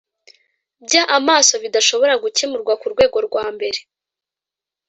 bya amaso bidashobora gukemurwa ku rwego rwambere